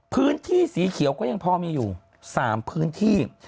พื้นที่สีเขียวก็ยังพอมีอยู่๓พื้นที่